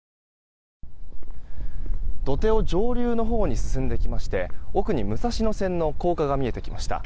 土手を上流のほうに進んでいきまして奥に武蔵野線の高架が見えてきました。